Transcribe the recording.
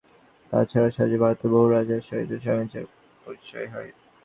তাঁহার সাহায্যে ভারতের বহু রাজার সহিত স্বামীজীর পরিচয় হয়।